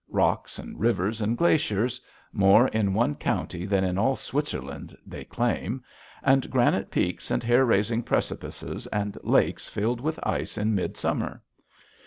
Rocks and rivers and glaciers more in one county than in all Switzerland, they claim and granite peaks and hair raising precipices and lakes filled with ice in midsummer.